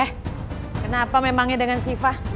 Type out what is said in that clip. eh kenapa memangnya dengan sifah